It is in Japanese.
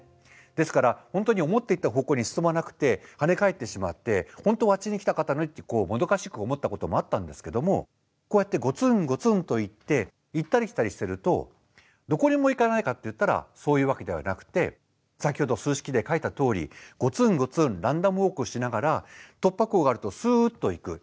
ですから本当に思っていた方向に進まなくて跳ね返ってしまって本当はあっちに行きたかったのにってもどかしく思ったこともあったんですけどもこうやってゴツンゴツンといって行ったり来たりしてるとどこにも行かないかっていったらそういうわけではなくて先ほど数式で書いたとおりゴツンゴツンランダムウォークしながら突破口があるとすっと行く。